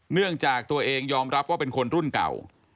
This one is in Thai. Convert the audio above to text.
เนื่องจากตัวเองยอมรับว่าเป็นคนรุ่นเก่า